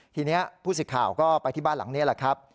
ทีนี้ผู้สิทธิ์ข่าวก็ไปที่บ้านหลังนี้แหละครับ